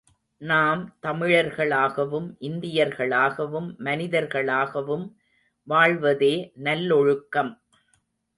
நாம் தமிழர்களாகவும் இந்தியர்களாகவும் மனிதர்களாகவும் வாழ்வதே நல்லொழுக்கம்.